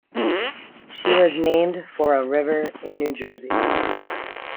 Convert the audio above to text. She was named for a river in New Jersey.